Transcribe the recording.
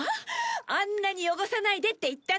あんなに「汚さないで」って言ったのに！